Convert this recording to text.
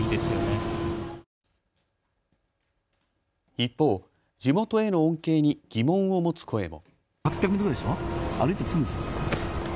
一方、地元への恩恵に疑問を持つ声も。